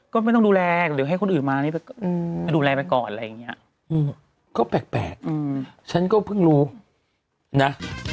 ก็แปลกฉันก็เพิ่งรู้นะ